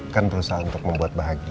kan berusaha untuk membuat bahagia